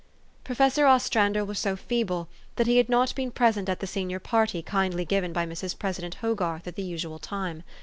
Professor Ostrander was so feeble, that he had not been present at the Senior Party kindty given by Mrs. President Hogarth at the usual time.